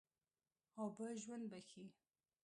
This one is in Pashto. اوبه ژوند بښي.